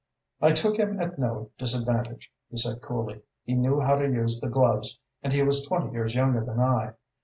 "I took him at no disadvantage," he said coolly. "He knew how to use the gloves and he was twenty years younger than I.